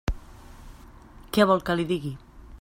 Què vol que li digui?